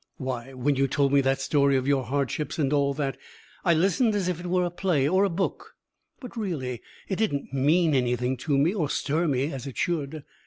Why, when you told me that story of your hardships and all that, I listened as if it were a play or a book, but really it didn't mean anything to me or stir me as it should.